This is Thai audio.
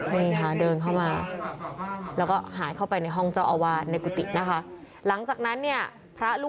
นี่ค่ะเดินเข้ามาแล้วก็หายเข้าไปในห้องเจ้าอาวาสในกุฏินะคะ